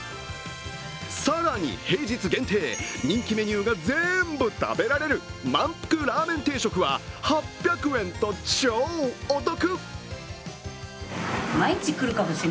更に平日限定、人気メニューが全部食べられるまんぷくラーメン定食は８００円と超お得。